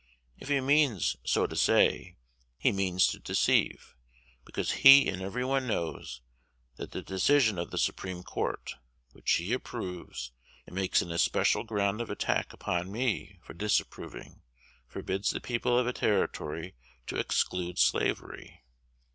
If he means so to say, he means to deceive; because he and every one knows that the decision of the Supreme Court, which he approves, and makes an especial ground of attack upon me for disapproving, forbids the people of a Territory to exclude slavery.